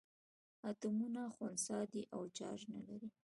اتومونه خنثي دي او چارج نه لري.